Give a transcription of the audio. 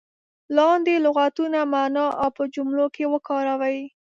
لاندې لغتونه معنا او په جملو کې وکاروئ.